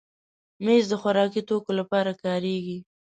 مېز د خوراکي توکو لپاره کارېږي.